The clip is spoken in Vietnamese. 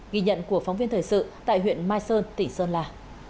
ghi nhận của phóng viên thời sự tại huyện mai sơn tỉnh sơn la